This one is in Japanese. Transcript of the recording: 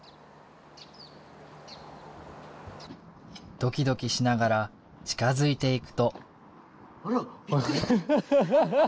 ドキドキしながら近づいていくと。